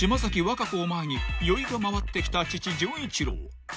和歌子を前に酔いが回ってきた父純一郎］